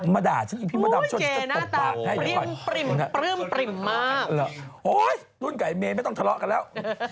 มาด่าชั้นอีกพริกบันดาลช่วงที่จะตบปากให้หรือเปล่าแล้วโอ๊ยต้นกับไอ้เมย์ไม่ต้องทะเลาะกันแล้ว